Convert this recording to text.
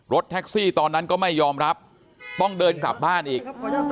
แท็กซี่ตอนนั้นก็ไม่ยอมรับต้องเดินกลับบ้านอีก